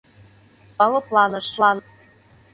Ола лыпланыш.